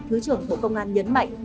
thứ trưởng bộ công an nhấn mạnh